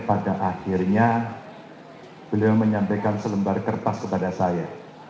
pada akhirnya beliau menyampaikan selembar kertas kepada saya